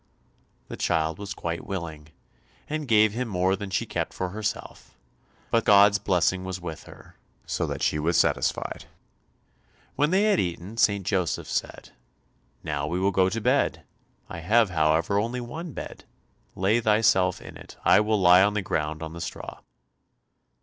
The child was quite willing, and gave him more than she kept for herself, but God's blessing was with her, so that she was satisfied. When they had eaten, St. Joseph said, "Now we will go to bed; I have, however, only one bed, lay thyself in it. I will lie on the ground on the straw."